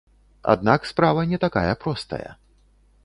Аднак справа не такая простая.